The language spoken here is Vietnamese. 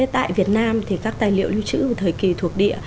tại việt nam thì các tài liệu lưu trữ của thời kỳ thuộc địa